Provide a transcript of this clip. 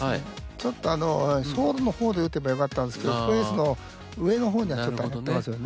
ちょっとソールの方で打てばよかったんですけどフェースの上の方にちょっと当たってますよね。